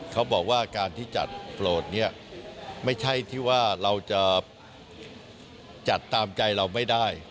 เขาบอกว่าการที่จัดโปรดเนี่ยไม่ใช่ที่ว่าเราจะจัดตามใจเราไม่ได้